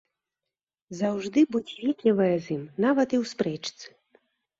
Заўжды будзь ветлівая з ім, нават і ў спрэчцы.